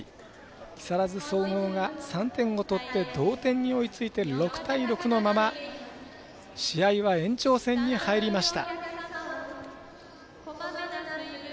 木更津総合が３点を取って同点に追いついて６対６のまま試合は延長戦に入りました。